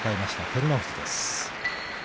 照ノ富士です。